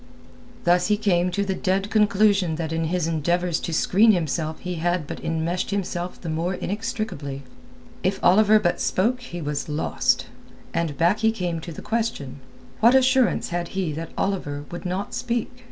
Thus he came to the dread conclusion that in his endeavours to screen himself he had but enmeshed himself the more inextricably. If Oliver but spoke he was lost. And back he came to the question: What assurance had he that Oliver would not speak?